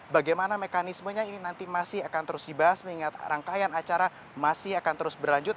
bagaimana mekanismenya ini nanti masih akan terus dibahas mengingat rangkaian acara masih akan terus berlanjut